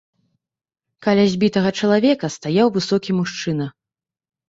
Каля збітага чалавека стаяў высокі мужчына.